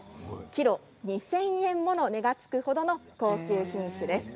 キロ２０００円もの値が付く程の高級品種です。